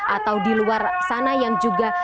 atau di luar sana yang juga